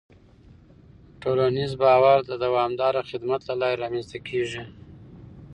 ټولنیز باور د دوامداره خدمت له لارې رامنځته کېږي.